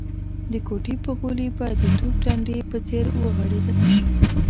د کوټې په غولي به د توپ ډنډې په څېر ورغړېدله.